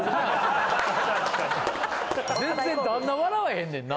全然旦那笑わへんねんな？